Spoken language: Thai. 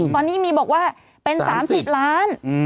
ตอนนี้มีบอกว่าเป็น๓๐ล้าน